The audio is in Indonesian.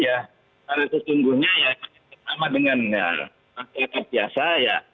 ya karena sesungguhnya ya sama dengan masyarakat biasa ya